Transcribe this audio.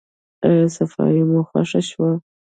ایا صفايي مو خوښه شوه؟